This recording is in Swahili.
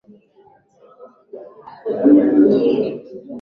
hutumiwa sana kwenye tafrija za dansi za usiku kucha zinazoitwa